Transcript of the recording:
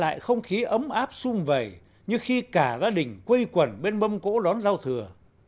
lại không khí ấm áp xung vầy như khi cả gia đình quây quần bên mâm cỗ đón giao thừa